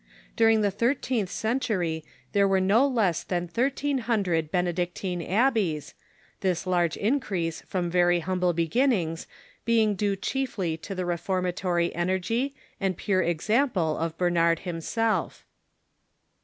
During the thirteenth century there were no less than thirteen hundred Benedictine abbeys, this large increase from very humble beginnings being due chiefly to the reformatory energy and pure example of Bernard himself.